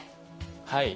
はい。